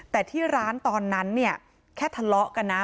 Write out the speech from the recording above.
แต่ที่ร้านตอนนั้นเนี่ยแค่ทะเลาะกันนะ